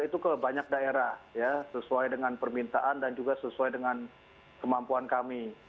itu ke banyak daerah ya sesuai dengan permintaan dan juga sesuai dengan kemampuan kami